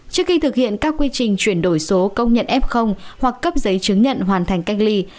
trước khi thực hiện các quy trình chuyển đổi số công nhận f hoặc cấp giấy chứng nhận hoàn thành cách ly